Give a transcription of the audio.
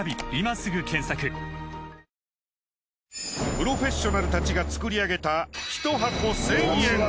プロフェッショナルたちが作り上げたひと箱１，０００円